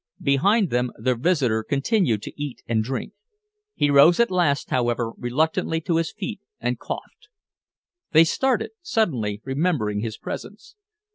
Behind them, their visitor continued to eat and drink. He rose at last, however, reluctantly to his feet, and coughed. They started, suddenly remembering his presence.